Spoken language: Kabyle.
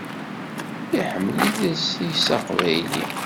Iḥemmel idles-is aqbayli.